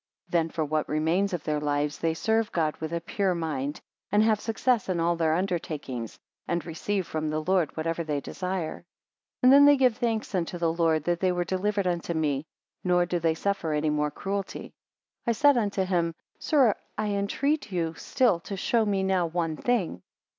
26 Then for what remains of their lives, they serve God with a pure mind; and have success in all their undertakings, and receive from the Lord whatever they desire. 27 And then they give thanks unto the Lord that they were delivered unto me; nor do they suffer any more cruelty. 28 I said unto him; Sir, I entreat you still to show me now one thing.